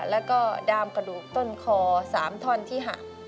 แล้วก็ดามกระดูกต้นคอ๓ท่อนที่หัก